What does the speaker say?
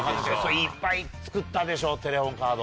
いっぱい作ったでしょテレホンカード。